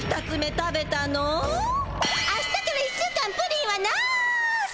あしたから１週間プリンはなし！